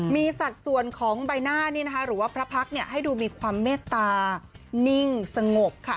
มีสัดส่วนของใบหน้านี่นะคะหรือว่าพระพักษ์ให้ดูมีความเมตตานิ่งสงบค่ะ